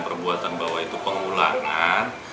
perbuatan bahwa itu pengulangan